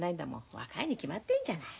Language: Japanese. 若いに決まってんじゃない。